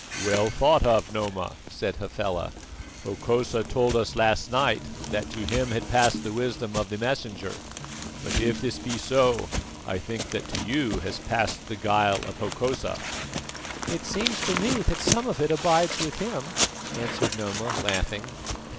"Well thought of Noma," said Hafela. "Hokosa told us last night that to him had passed the wisdom of the Messenger; but if this be so, I think that to you has passed the guile of Hokosa." "It seems to me that some of it abides with him," answered Noma laughing.